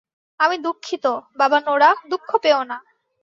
আমি দুঃখিত, বাবা নোরা, দুঃখ পেও না।